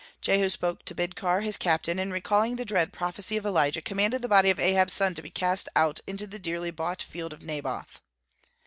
Jehu spoke to Bidkar, his captain, and recalling the dread prophecy of Elijah, commanded the body of Ahab's son to be cast out into the dearly bought field of Naboth.